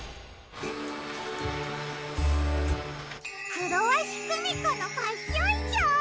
クロワシクミコのファッションショー？